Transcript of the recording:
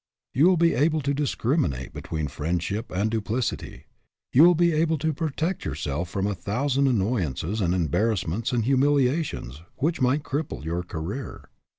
You will be able to discriminate between friendship and duplicity. You will be able to protect yourself from a thousand annoy ances and embarrassments and humiliations which might cripple your career.